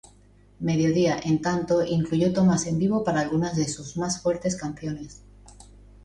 Mediodía, en tanto, incluyó tomas en vivo para algunas de sus más fuertes canciones.